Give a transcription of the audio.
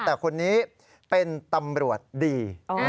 แต่คนนี้เป็นตำรวจดี